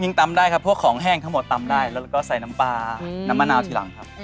ตำได้ครับพวกของแห้งทั้งหมดตำได้แล้วก็ใส่น้ำปลาน้ำมะนาวทีหลังครับ